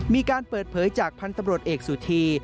มีการเปิดเผยจากพันธุ์ตำรวจเอกสุธี